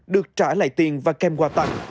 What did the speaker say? được trả lại tiền và kem quà tặng